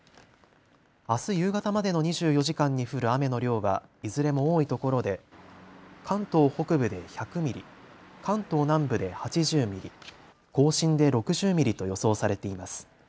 あす夕方までの２４時間に降る雨の量はいずれも多いところで関東北部で１００ミリ、関東南部で８０ミリ、甲信で６０ミリと予想されています。